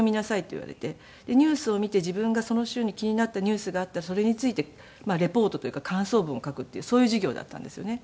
ニュースを見て自分がその週に気になったニュースがあったらそれについてリポートというか感想文を書くっていうそういう授業だったんですよね。